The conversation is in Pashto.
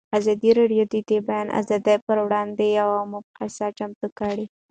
ازادي راډیو د د بیان آزادي پر وړاندې یوه مباحثه چمتو کړې.